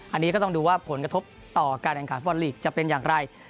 อันนี้ก็ต้องดูว่าผลกระทบต่อการแข่งขันฟุตบอลลีกจะเป็นอย่างไร